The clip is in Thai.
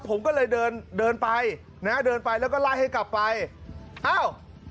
ผมก็เลยเดินเดินไปนะฮะเดินไปแล้วก็ไล่ให้กลับไปอ้าว